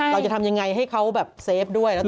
เราจะทำยังไงให้เขาเกลียดด้วย